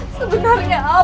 kau ingin tahu apa yang kau mau